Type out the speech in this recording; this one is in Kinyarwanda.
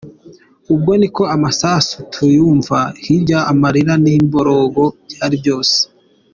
Ubwo ni ko amasasu tuyumva hirya amarira n’imiborogo byari byose.